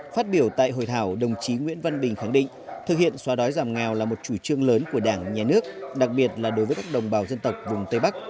phát biểu tại hội thảo đồng chí nguyễn văn bình khẳng định thực hiện xóa đói giảm nghèo là một chủ trương lớn của đảng nhà nước đặc biệt là đối với các đồng bào dân tộc vùng tây bắc